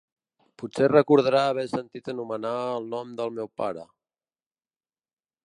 Potser recordarà haver sentit anomenar el nom del meu pare.